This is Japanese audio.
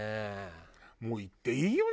もう行っていいよね？